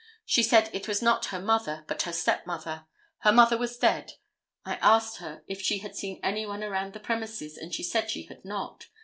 She said it was not her mother, but her step mother. Her mother was dead. I asked her if she had seen anyone around the premises, and she said she had not.